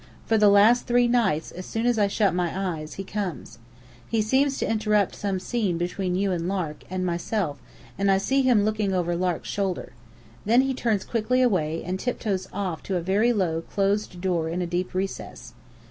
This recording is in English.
For the last three nights, as soon as I shut my eyes, he comes. He seems to interrupt some scene between you and Lark, and myself, and I see him looking over Lark's shoulder. Then he turns quickly away, and tiptoes off to a very low, closed door in a deep recess.